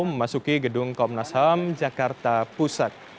memasuki gedung komnas ham jakarta pusat